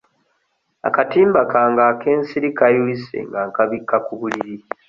Akatimba kange ak'ensiri kayulise nga nkabikka ku buliri.